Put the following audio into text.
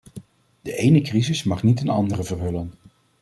De ene crisis mag niet een andere verhullen.